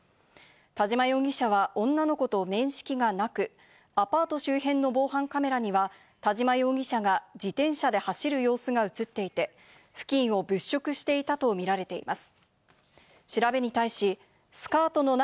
田島容疑者は女の子と面識がなく、アパート周辺の防犯カメラには、田島容疑者が自転車で走る様子が映っていて、付近を物色していたとみられています。